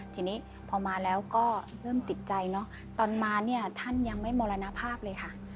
ทีนี้พอมาแล้วก็เริ่มติดใจเนอะตอนมาเนี่ยท่านยังไม่มรณภาพเลยค่ะ